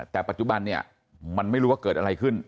แต่ปัจจุบันเนี่ยมันไม่รู้ว่าเกิดอะไรขึ้น